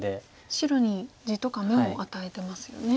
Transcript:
白に地とか眼も与えてますよね。